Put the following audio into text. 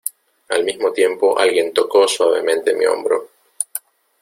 al mismo tiempo alguien tocó suavemente mi hombro.